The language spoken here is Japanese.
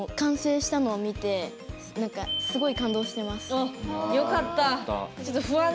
あっよかった。